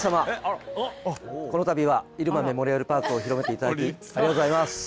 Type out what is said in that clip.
このたびは入間メモリアルパークを広めていただき、ありがとうございます。